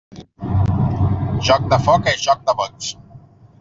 Joc de foc és joc de boig.